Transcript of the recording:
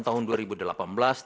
yang dianggap dibacakan